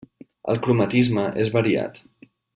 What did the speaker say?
El cromatisme és variat.